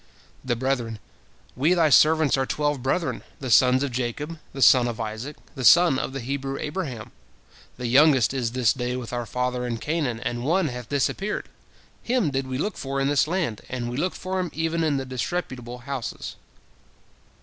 The brethren: "We thy servants are twelve brethren, the sons of Jacob, the son of Isaac, the son of the Hebrew Abraham. The youngest is this day with our father in Canaan, and one hath disappeared. Him did we look for in this land, and we looked for him even in the disreputable houses."